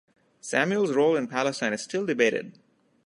Samuel's role in Palestine is still debated.